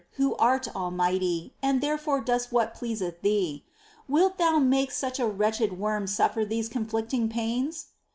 Who art almighty, and therefore dost what pleaseth Thee ; wilt Thou make such a wretched worm suffer these conflicting pains